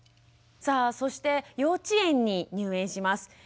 さあそして幼稚園に入園します。